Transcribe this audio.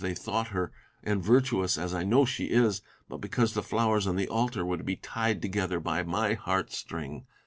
15 they thought her, and virtuous, as I know she is ; but because the flowers on the altar were to be tied together by my heart string.